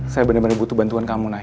saya bener bener butuh bantuan kamu nay